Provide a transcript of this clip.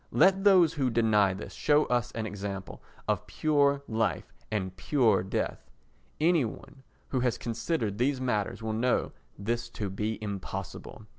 Let those who deny this show us an example of pure life and pure death. Any one who has considered these matters will know this to be impossible.